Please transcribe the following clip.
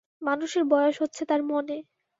মানুষের বয়স হচ্ছে তার মনে।